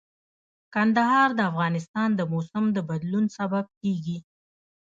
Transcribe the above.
کندهار د افغانستان د موسم د بدلون سبب کېږي.